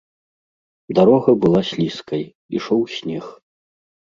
Дарога была слізкай, ішоў снег.